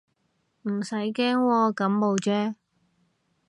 唔使驚喎，感冒啫